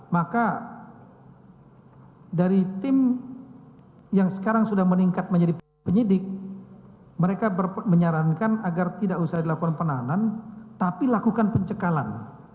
maka dari tim yang sekarang sudah meningkat menjadi penyidik mereka menyarankan agar tidak usah dilakukan penahanan tapi lakukan pencekalan